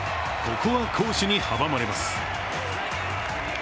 ここは好守に阻まれます。